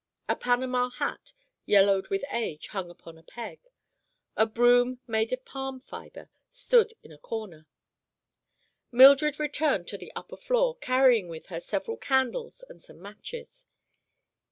A panama hat, yellowed with age, hung upon a peg. A broom made of palm fiber stood in a corner. Mildred returned to the upper floor, carrying with her several candles and some matches.